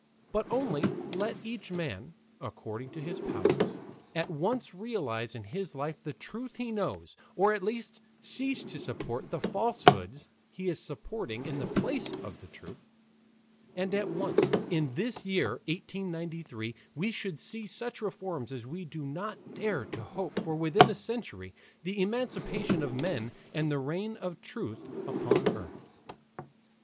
But only let each man, according to his powers, at once realize in his life the truth he knows, or at least cease to support the falsehoods he is supporting in the place of the truth, and at once, in this year 1893, we should see such reforms as we do not dare to hope for within a century the emancipation of men and the reign of truth upon earth.